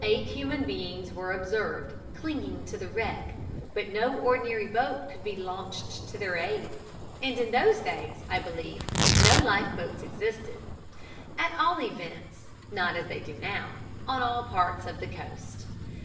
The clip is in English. Eight human beings were observed clinging to the wreck, but no ordinary boat could be launched to their aid; and in those days, I believe, no lifeboats existed, at all events, not as they do now, on all parts of the coast.